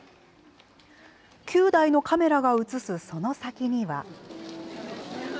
９台のカメラが映すその先には。